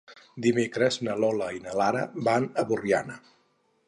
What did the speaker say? Dimecres na Lola i na Lara van a Borriana.